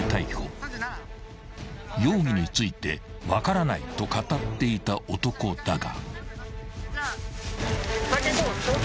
［容疑について「分からない」と語っていた男だが］